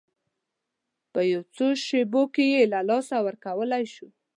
په یو څو شېبو کې یې له لاسه ورکولی شو.